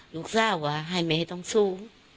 ลูกสาวว่าให้แม่ต้องสูง